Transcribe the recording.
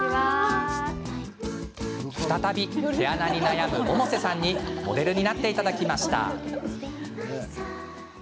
再び、毛穴に悩む百瀬さんにモデルになっていただきました。